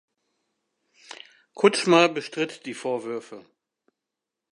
Kutschma bestritt die Vorwürfe.